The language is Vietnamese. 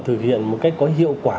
thực hiện một cách có hiệu quả